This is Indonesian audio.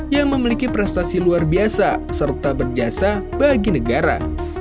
yang memiliki prestasi luar biasa serta berjasa bagi negara